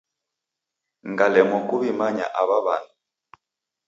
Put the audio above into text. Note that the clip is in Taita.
Ngalemwa kuw'imanya aw'a w'andu.